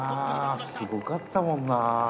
すごかったもんな。